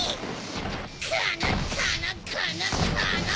このこのこのこの！